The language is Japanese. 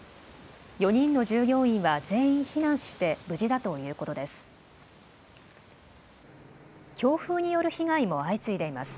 ４人の従業員は全員避難して無事だということです。